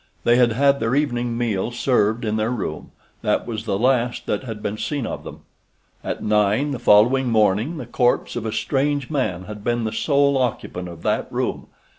They had had their evening meal served in their room—that was the last that had been seen of them. At nine the following morning the corpse of a strange man had been the sole occupant of that room.